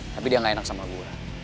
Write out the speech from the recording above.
tapi dia gak enak sama gula